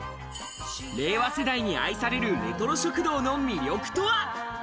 令和世代に愛されるレトロ食堂の魅力とは？